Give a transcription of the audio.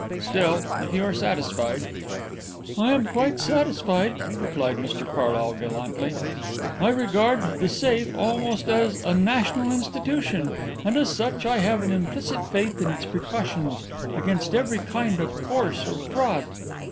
Still, if you are satisfied " "I am quite satisfied," replied Mr Carlyle gallantly. "I regard 'The Safe' almost as a national institution, and as such I have an implicit faith in its precautions against every kind of force or fraud."